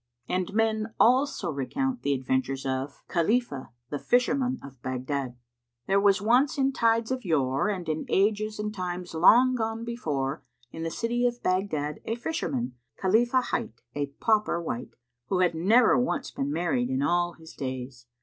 And men also recount the adventures of Khalifah the Fisherman of Baghdad There was once in tides of yore and in ages and times long gone before in the city of Baghdad a fisherman, Khalífah hight, a pauper wight, who had never once been married in all his days.